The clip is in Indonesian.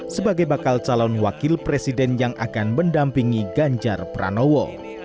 sebagai bakal calon wakil presiden yang akan mendampingi ganjar pranowo